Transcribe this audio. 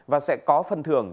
và sẽ có phần thưởng